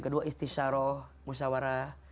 dua istisyarah musyawarah